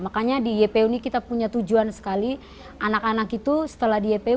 makanya di ypu ini kita punya tujuan sekali anak anak itu setelah di ypu